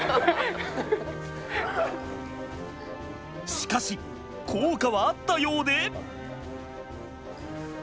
しかし効果はあったようで。